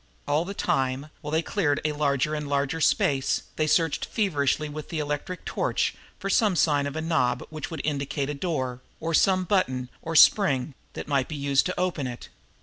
All the time, while they cleared a larger and larger space, they searched feverishly with the electric torch for some sign of a knob which would indicate a door, or some button or spring which might be used to open it.